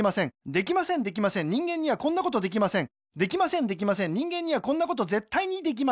できませんできません人間にはこんなことぜったいにできません